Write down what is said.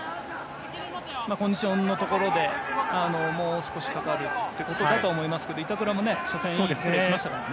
コンディションのところでもう少しかかるということだと思いますけれども板倉も初戦いいプレーをしましたからね。